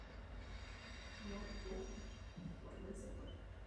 Zánik posledního rybníka v regionu umožnil propojení obou celků do jediné funkční obce.